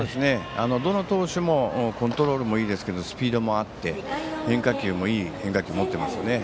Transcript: どの投手もコントロールもいいですけどスピードもあって変化球もいい変化球を持ってます。